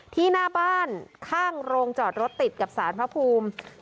หน้าบ้านข้างโรงจอดรถติดกับสารพระภูมิ